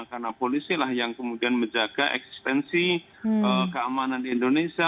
karena polisilah yang kemudian menjaga eksistensi keamanan indonesia